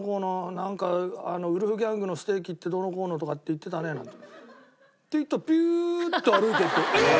「なんかウルフギャングのステーキってどうのこうのとかって言ってたね」なんて。って言ったらピューッと歩いててええー！